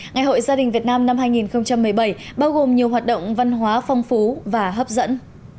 ngày hội gia đình việt nam năm hai nghìn một mươi bảy bao gồm nhiều hoạt động văn hóa phong phú và hấp dẫn